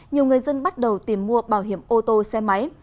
nhiều người dân bắt đầu tìm mua bảo hiểm ô tô xe máy